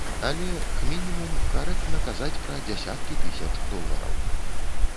Але, к мінімум, карэктна казаць пра дзясяткі тысяч долараў.